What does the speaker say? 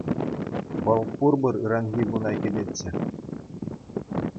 Вӑл пурпӗр ыранхи куна кӗтетчӗ.